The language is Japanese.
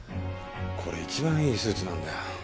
これ一番いいスーツなんだよ。